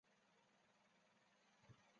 位于该镇西南部。